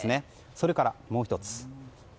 それからもう１つ。